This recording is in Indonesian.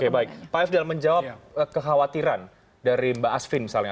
pak f dalam menjawab kekhawatiran dari mbak asvin misalnya